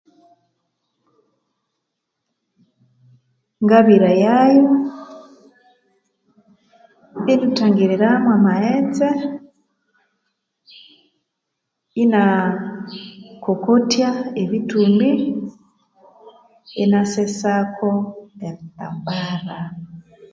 Ngabirayayu, inuthangiriramo amaghetse, inakokotya ebithumbi, inasesako ebitambara.